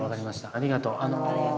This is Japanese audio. ありがとうございます。